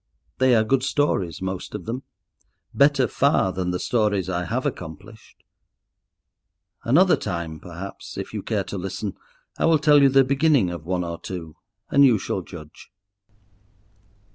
They are good stories, most of them; better far than the stories I have accomplished. Another time, perhaps, if you care to listen, I will tell you the beginning of one or two and you shall judge.